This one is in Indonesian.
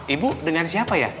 ibu dengan siapa ya